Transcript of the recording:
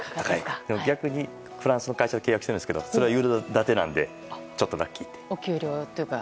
逆にフランスの会社と契約しているんですがそれはユーロ建てなのでちょっとラッキーという。